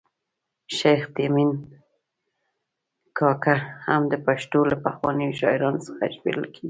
شیخ تیمن کاکړ هم د پښتو له پخوانیو شاعرانو څخه شمېرل کیږي